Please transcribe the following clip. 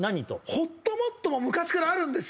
ほっともっとも昔からあるんです